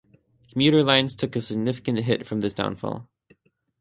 Commuter lines took a significant hit from this downfall.